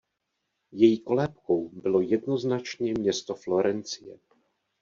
Její kolébkou bylo jednoznačně město Florencie.